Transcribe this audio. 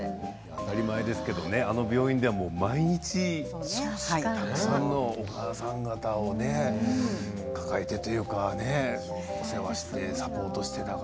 当たり前ですけどねあの病院じゃ、毎日たくさんのお母さん方をね抱えてというかねお世話をしてサポートをして。